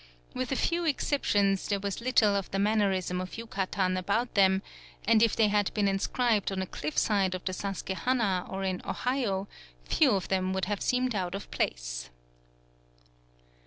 With a few exceptions there was little of the mannerism of Yucatan about them; and if they had been inscribed on a cliff side on the Sasquehana or in Ohio, few of them would have seemed out of place."